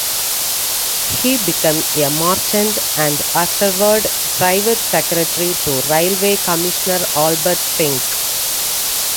He became a merchant, and afterward private secretary to Railway Commissioner Albert Fink.